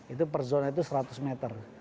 itu per zona itu seratus meter